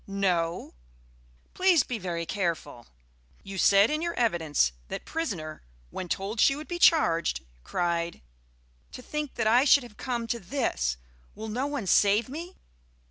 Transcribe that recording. "No." "Please be very careful. You said in your evidence that prisoner when told she would be charged, cried, 'To think that I should have come to this! Will no one save me?'